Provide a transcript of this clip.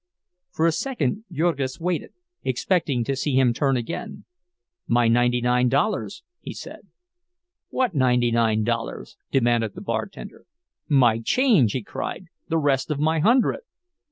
For a second Jurgis waited, expecting to see him turn again. "My ninety nine dollars," he said. "What ninety nine dollars?" demanded the bartender. "My change!" he cried—"the rest of my hundred!"